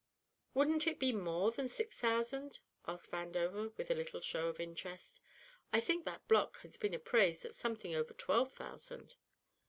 "Wouldn't it be more than six thousand?" asked Vandover with a little show of interest. "I think that block has been appraised at something over twelve thousand."